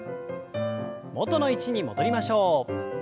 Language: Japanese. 元の位置に戻りましょう。